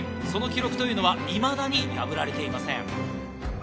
その記録というのはいまだに破られていません。